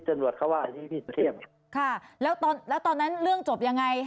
จังหวัดเขาว่าที่พี่สุเทพค่ะแล้วตอนแล้วตอนนั้นเรื่องจบยังไง